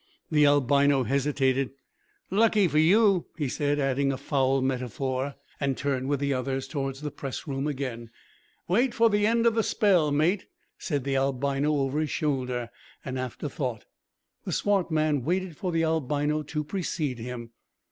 The albino hesitated. "Lucky for you," he said, adding a foul metaphor, and turned with the others towards the press room again. "Wait for the end of the spell, mate," said the albino over his shoulder an afterthought. The swart man waited for the albino to precede him.